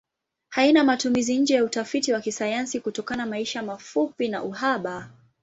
Haina matumizi nje ya utafiti wa kisayansi kutokana maisha mafupi na uhaba.